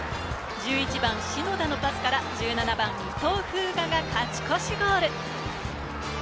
１１番・篠田のパスから１７番・伊藤風河が勝ち越しゴール。